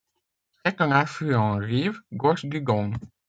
C'est un affluent rive gauche du Don.